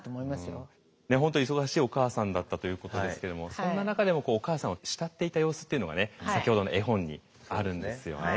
本当に忙しいお母さんだったということですけれどもそんな中でもお母さんを慕っていた様子っていうのが先ほどの絵本にあるんですよね。